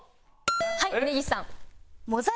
はい峯岸さん。